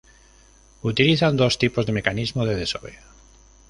Utilizan dos tipos de mecanismo de desove.